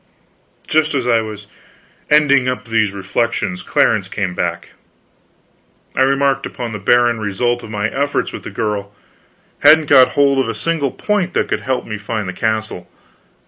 Just as I was ending up these reflections, Clarence came back. I remarked upon the barren result of my efforts with the girl; hadn't got hold of a single point that could help me to find the castle.